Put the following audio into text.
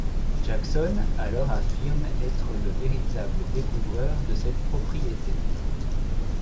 Jackson alors affirme être le véritable découvreur de cette propriété.